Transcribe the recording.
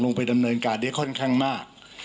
ไปดำเนินการได้ค่อนข้างมาก